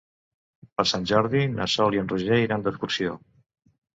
Per Sant Jordi na Sol i en Roger iran d'excursió.